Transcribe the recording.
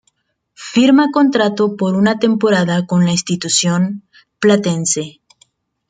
Firma contrato por una temporada con la institución platense.